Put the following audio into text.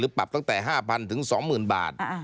หรือปรับตั้งแต่๕๐๐๐ถึง๒๐๐๐๐บาท